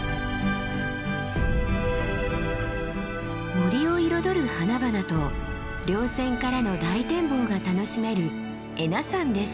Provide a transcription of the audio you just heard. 森を彩る花々と稜線からの大展望が楽しめる恵那山です。